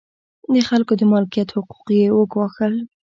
د خلکو د مالکیت حقوق یې وګواښل.